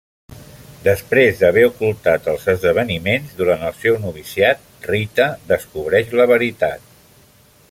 Després d'haver ocultat els esdeveniments durant el seu noviciat, Rita descobreix la veritat.